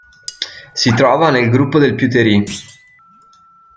Si trova nel Gruppo del Peuterey.